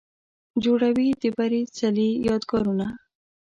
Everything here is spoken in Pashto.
جوړوي د بري څلې، یادګارونه